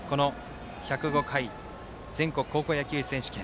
１０５回全国高校野球選手権。